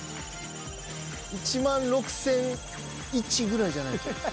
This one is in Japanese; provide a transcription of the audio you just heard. １６，００１ぐらいじゃないと。